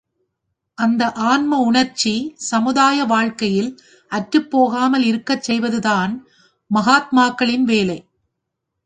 அந்த ஆன்ம உணர்ச்சி சமுதாய வாழ்க்கையில் அற்றுப் போகாமல் இருக்கச் செய்வதுதான் மகாத்மாக்களின் வேலை.